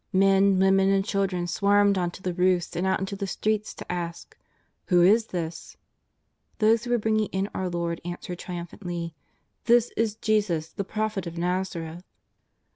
Men, women and children swarmed on to the roofs and out into the streets to ask: ^' Who is this?'' Those who were bringing in our Lord answered tri umphantly :" This is Jesus, the Prophet of Nazareth."